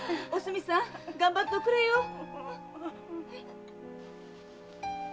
おすみさんがんばっておくれよ！